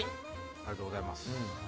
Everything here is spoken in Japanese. ありがとうございます。